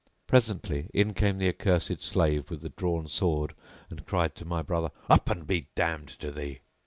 Presently in came the accursed slave with the drawn sword and cried to my brother, "Up and be damned to thee."